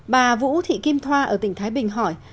bà vũ thị kim thoa ở tỉnh thái bình hỏi